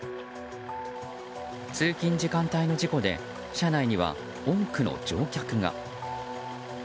通勤時間帯の事故で車内は多くの乗客が。